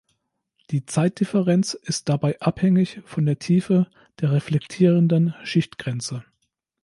Die Zeitdifferenz ist dabei abhängig von der Tiefe der reflektierenden Schichtgrenze.